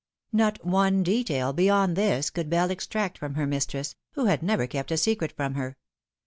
Not one detail beyond this could Bell extract from her mistress, who had never kept a secret from her.